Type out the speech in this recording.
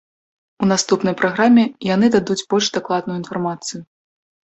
У наступнай праграме яны дадуць больш дакладную інфармацыю.